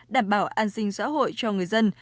đảm bảo an sinh xã hội cho người dân